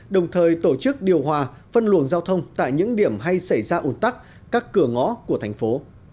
đồng thời tổ chức điều hòa phân luồng giao thông tại những điểm hay xảy ra ủn tắc các cửa ngõ của thành phố